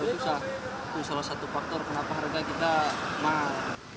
susah itu salah satu faktor kenapa harga kita mahal